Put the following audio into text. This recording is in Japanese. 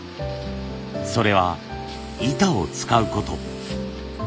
それは板を使うこと。